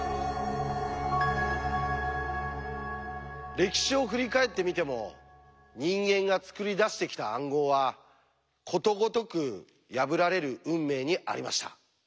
歴史を振り返ってみても人間が作り出してきた暗号はことごとく破られる運命にありました。